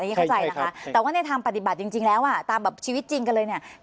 นี่เข้าใจนะคะแต่ว่าในทางปฏิบัติจริงแล้วอ่ะตามแบบชีวิตจริงกันเลยเนี่ย